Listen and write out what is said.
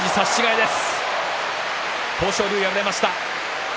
豊昇龍が敗れました。